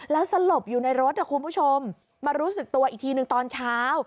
แล้วสลบอยู่ในรถนะคุณผู้ชมมารู้สึกตัวอีกทีหนึ่งตอนเช้า